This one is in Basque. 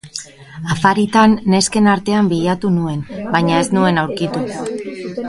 Afaritan nesken artean bilatu nuen, baina ez nuen aurkitu.